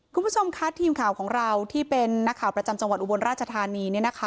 คุณผู้ชมคะทีมข่าวของเราที่เป็นนักข่าวประจำจังหวัดอุบลราชธานี